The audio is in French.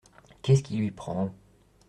Qu'est-ce qui lui prend ?